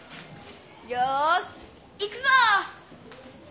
よしいくぞ！